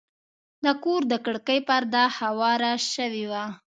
د کور د کړکۍ پرده خواره شوې وه.